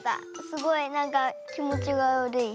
すごいなんかきもちがわるい。